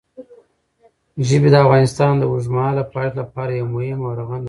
ژبې د افغانستان د اوږدمهاله پایښت لپاره یو مهم او رغنده رول لري.